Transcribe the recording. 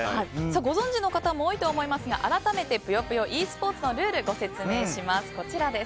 ご存じの方も多いとは思いますが改めて「ぷよぷよｅスポーツ」のルール、ご説明します。